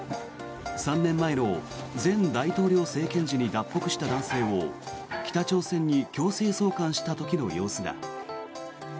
３年前の前大統領政権時に脱北した男性を北朝鮮に強制送還した時の様子だ。